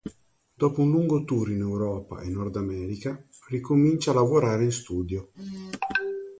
Dopo un lungo tour in Europa e Nord America, ricomincia a lavorare in studio.